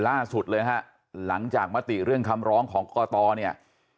ล่าสุดเลยฮะหลังจากมติเรื่องคำร้องของกตเนี่ย